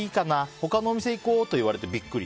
他のお店行こうと言われてビックリ。